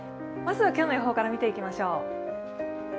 まずは今日の予報から見ていきましょう。